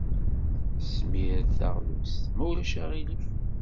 Smir-d taɣlust, ma ulac aɣilif.